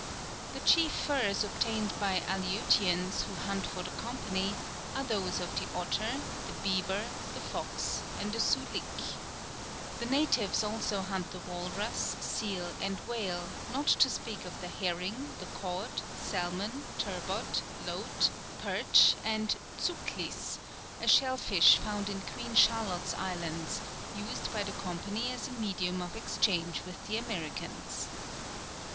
The chief furs obtained by Aleutians who hunt for the Company are those of the otter, the beaver, the fox, and the souslic. The natives also hunt the walrus, seal, and whale, not to speak of the herring, the cod, salmon, turbot, lote, perch, and tsouklis, a shell fish found in Queen Charlotte's Islands, used by the Company as a medium of exchange with the Americans.